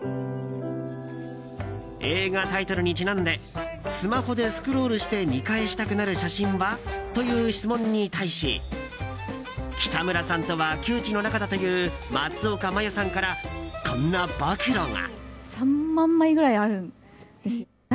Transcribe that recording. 映画タイトルにちなんでスマホでスクロールして見返したくなる写真は？という質問に対し北村さんとは旧知の仲だという松岡茉優さんからこんな暴露が。